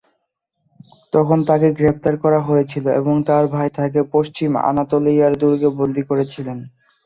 তখন তাকে গ্রেপ্তার করা হয়েছিল এবং তার ভাই তাকে পশ্চিম আনাতোলিয়ার দুর্গে বন্দী করেছিলেন।